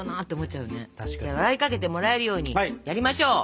じゃあ笑いかけてもらえるようにやりましょう。